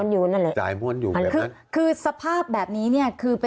อยากพลาดแบบนี้ใช่ไหมครับ